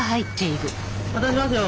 渡しますよ。